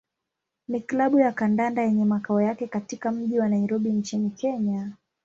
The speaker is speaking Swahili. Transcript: ni klabu ya kandanda yenye makao yake katika mji wa Nairobi nchini Kenya.